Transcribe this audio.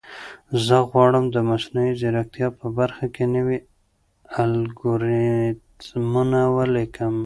زه غواړم د مصنوعي ځیرکتیا په برخه کې نوي الګوریتمونه ولیکم.